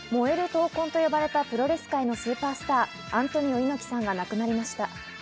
闘魂と呼ばれたプロレス界のスーパースター・アントニオ猪木さんが亡くなりました。